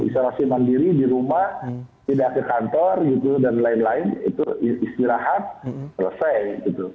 isolasi mandiri di rumah tidak ke kantor gitu dan lain lain itu istirahat selesai gitu